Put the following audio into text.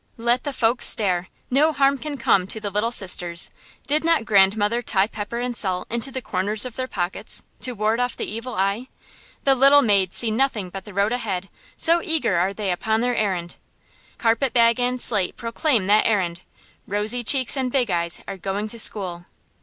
Let the folks stare; no harm can come to the little sisters. Did not grandmother tie pepper and salt into the corners of their pockets, to ward off the evil eye? The little maids see nothing but the road ahead, so eager are they upon their errand. Carpet bag and slate proclaim that errand: Rosy Cheeks and Big Eyes are going to school.